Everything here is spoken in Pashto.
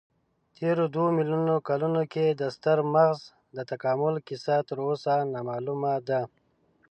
تېرو دوو میلیونو کلونو کې د ستر مغز د تکامل کیسه تراوسه نامعلومه ده.